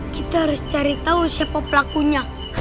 kita harus cari tahu siapa pelakunya